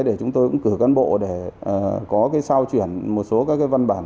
để chúng tôi cũng cử cán bộ để có sao chuyển một số các văn bản